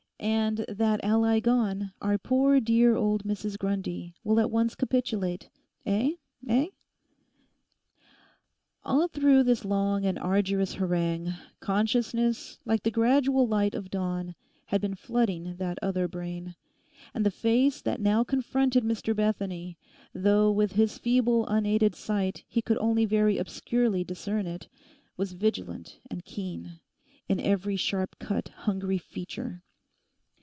And that ally gone, our poor dear old Mrs Grundy will at once capitulate. Eh? Eh?' Through all this long and arduous harangue, consciousness, like the gradual light of dawn, had been flooding that other brain. And the face that now confronted Mr Bethany, though with his feeble unaided sight he could only very obscurely discern it, was vigilant and keen, in every sharp cut hungry feature.